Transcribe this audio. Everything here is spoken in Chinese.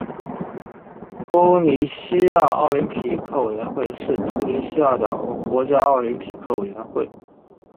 突尼西亚奥林匹克委员会是突尼西亚的国家奥林匹克委员会。